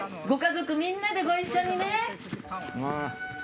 ご家族みんなでご一緒にね！